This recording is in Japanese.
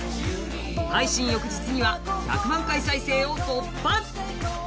翌日には１００万回再生を到達。